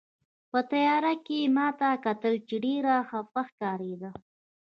په تیارې کې یې ما ته کتل، چې ډېره خپه ښکارېده.